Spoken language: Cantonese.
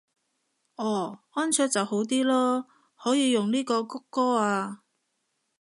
哦安卓就好啲囉，可以用呢個穀歌啊